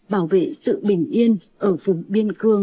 bảo vệ sự bình yên ở vùng biên cương